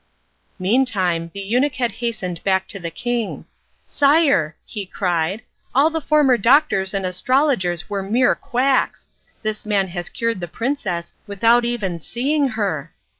Meantime the eunuch had hastened back to the king. "Sire," he cried, "all the former doctors and astrologers were mere quacks. This man has cured the princess without even seeing her."